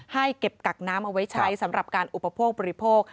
ให้เก็บกักน้ำเอาไว้ใช้สำหรับการอุปโภคบริโภค